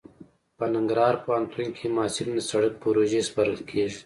په ننګرهار پوهنتون کې محصلینو ته د سرک پروژې سپارل کیږي